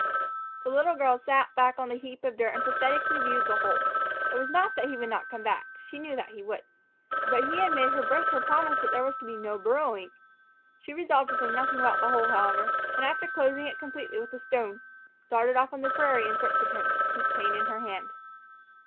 The little girl sat back on the heap of dirt and pathetically viewed the hole. It was not that he would not come back she knew that he would. But he had made her break her promise that there was to be no burrowing. She resolved to say nothing about the hole, however; and, after closing it completely with a stone, started off on the prairie in search of him, his chain in her hand.